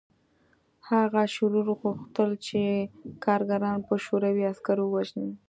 هغه شرور غوښتل چې کارګران په شوروي عسکرو ووژني